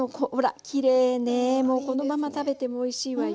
このまま食べてもおいしいわよ。